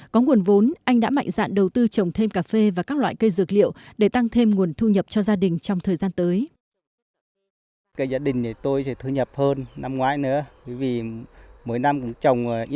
có nguồn vốn anh đã mạnh dạn đầu tư trồng thêm cà phê và các loại cây dược liệu để tăng thêm nguồn thu nhập cho gia đình trong thời gian tới